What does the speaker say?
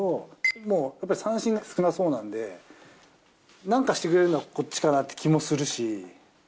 もう三振が少なそうなんで、なんかしてくれるのはこっちかなって気もするし。